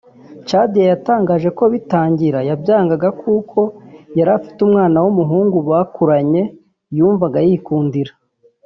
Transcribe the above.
Chadia yatangaje ko bitangira yabyangaga kuko yari afite umwana w’umuhungu bakuranye yumvaga yikundira